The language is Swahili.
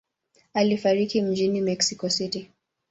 Alifariki mjini Mexico City.